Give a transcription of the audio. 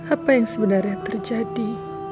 apa yang sebenarnya terjadi